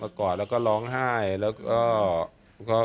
กอดแล้วก็ร้องไห้แล้วก็